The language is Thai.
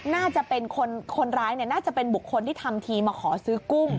น่าจะเป็นคนร้ายน่าจะเป็นบุคคลที่ทำทีมาขอซื้อกุ้ง